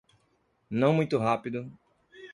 Não muito rápido